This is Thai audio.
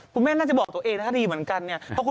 คุณแม่น่าจะบอกตัวเองนะคะดีเหมือนกันเนี่ย